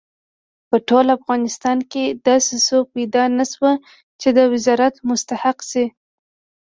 په ټول افغانستان کې داسې څوک پیدا نه شو چې د وزارت مستحق شي.